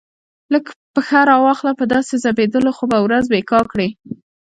لږ پښه را واخله، په داسې ځبېدلو خو به ورځ بېګا کړې.